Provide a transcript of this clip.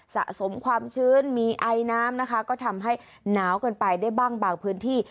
สะสมความชื้นมีไอน้ำนะคะก็ทำให้หนาวเกินไปได้บ้างบางพื้นที่